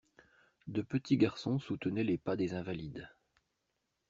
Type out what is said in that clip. De petits garçons soutenaient les pas des invalides.